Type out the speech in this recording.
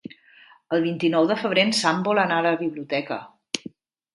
El vint-i-nou de febrer en Sam vol anar a la biblioteca.